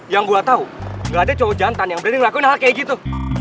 yang gue tahu gak ada cowok jantan yang berani ngelakuin hal kayak gitu